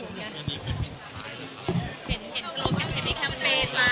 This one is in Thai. เห็นโครงการเห็นอีกครั้งเป็นมา